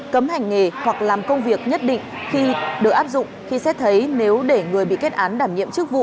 cấm hành nghề hoặc làm công việc nhất định khi được áp dụng khi xét thấy nếu để người bị kết án đảm nhiệm chức vụ